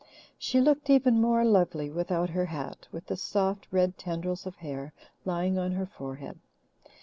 She looked even more lovely without her hat, with the soft red tendrils of hair lying on her forehead.